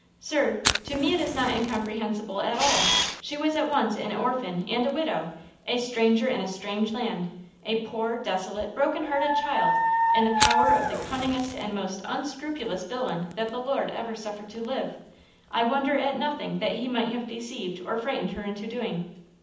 "Sir, to me it is not incomprehensible at all. She was at once an orphan and a widow; a stranger in a strange land; a poor, desolate, broken hearted child, in the power of the cunningest and most unscrupulous villain that the Lord ever suffered to live! I wonder at nothing that he might have deceived or frightened her into doing."